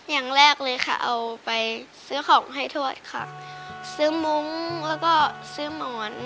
อย่างแรกเลยค่ะเอาไปซื้อของให้ทวดค่ะซื้อมุ้งแล้วก็ซื้อหมอน